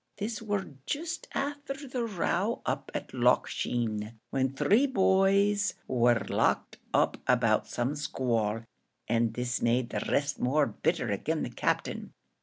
This war jist afther the row up to Loch Sheen, when three boys war locked up about some squall and this made the rest more bitter agin the Captain.